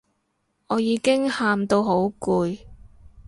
我已經喊到好攰